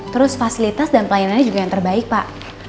terus fasilitas dan pelayanannya juga yang terbaik pak